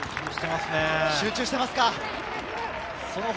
集中してますね。